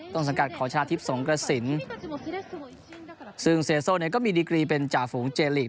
ต้นสังกัดของชาทิพย์สงกระสินซึ่งเซโซ่เนี่ยก็มีดีกรีเป็นจ่าฝูงเจลีก